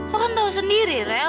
lo kan tau sendiri rel